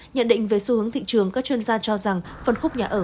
nhận định về xu hướng thị trường các chuyên gia cho rằng phân khúc nhà ở